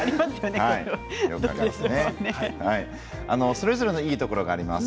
それぞれのいいところがあります。